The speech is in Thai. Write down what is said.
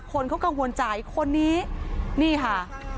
คนเขากังวลใจคนนี้นี่ค่ะ